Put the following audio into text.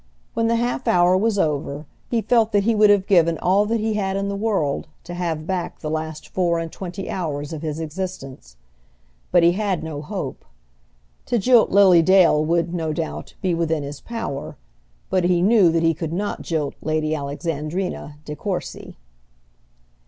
When the half hour was over, he felt that he would have given all that he had in the world to have back the last four and twenty hours of his existence. But he had no hope. To jilt Lily Dale would, no doubt, be within his power, but he knew that he could not jilt Lady Alexandrina De Courcy.